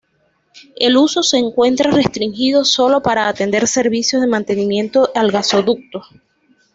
El uso se encuentra restringido solo para atender servicios de mantenimiento al gasoducto.